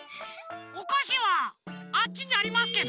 おかしはあっちにありますけど。